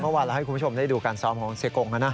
เมื่อวานเราให้คุณผู้ชมได้ดูการซ้อมของเสียกงแล้วนะ